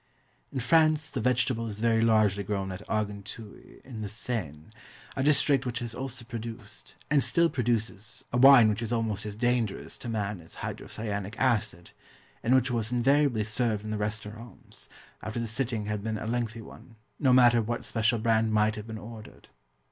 In France the vegetable is very largely grown at Argenteuil on the Seine, a district which has also produced, and still produces, a wine which is almost as dangerous to man as hydrocyanic acid, and which was invariably served in the restaurants, after the sitting had been a lengthy one, no matter what special brand might have been ordered.